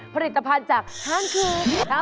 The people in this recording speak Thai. ผลิตภัณฑ์จากห้างคืน